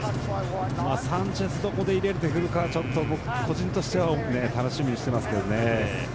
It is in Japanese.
サンチェスをどこで入れるかをちょっと、僕個人としては楽しみにしてますけどね。